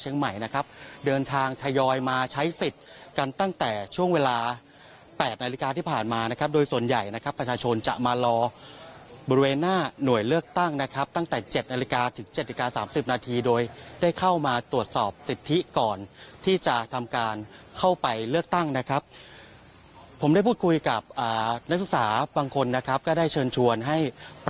นะครับเดินทางทยอยมาใช้สิทธิ์กันตั้งแต่ช่วงเวลา๘นาฬิกาที่ผ่านมานะครับโดยส่วนใหญ่นะครับประชาชนจะมารอบริเวณหน้าหน่วยเลือกตั้งนะครับตั้งแต่๗นาฬิกาถึง๗นาฬิกา๓๐นาทีโดยได้เข้ามาตรวจสอบสิทธิก่อนที่จะทำการเข้าไปเลือกตั้งนะครับผมได้พูดคุยกับนักศึกษาบางคนนะครับก็ได้เชิญชวนให้ประ